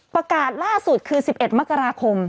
ประกาศล่าสุดคือ๑๑มกราคม